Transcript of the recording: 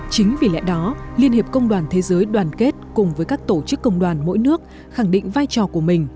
chính vì lẽ đó liên hiệp công đoàn thế giới đoàn kết cùng với các tổ chức công đoàn mỗi nước khẳng định vai trò của mình